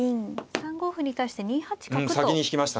３五歩に対して２八角と引きました。